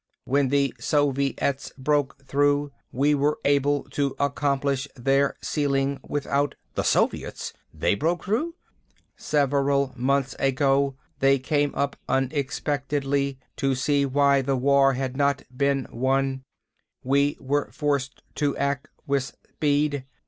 When the Soviets broke through, we were able to accomplish their sealing without " "The Soviets? They broke through?" "Several months ago, they came up unexpectedly to see why the war had not been won. We were forced to act with speed.